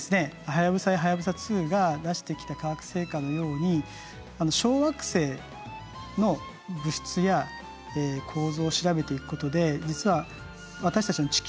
はやぶさやはやぶさ２が出してきた科学成果のように小惑星の物質や構造を調べていくことで実は私たちの地球がどのように出来たのか。